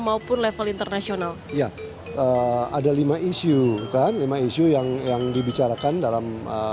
maupun level internasional ya ada lima isu kan lima isu yang yang dibicarakan dalam